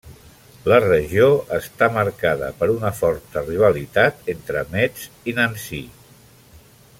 La regió està marcada per una forta rivalitat entre Metz i Nancy.